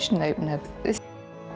dan ini juga adalah perbicaraan yang bagus